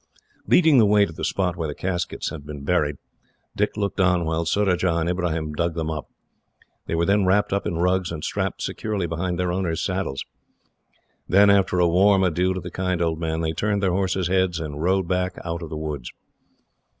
Leading the way to the spot where the caskets had been buried, Dick looked on while Surajah and Ibrahim dug them up. They were then wrapped up in rugs, and strapped securely behind their owners' saddles. Then, after a warm adieu to the kind old man, they turned their horses' heads, and rode back out of the woods.